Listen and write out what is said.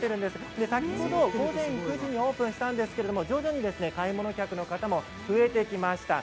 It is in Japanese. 先ほど午前９時にオープンしたんですが徐々に買い物客も増えてきました。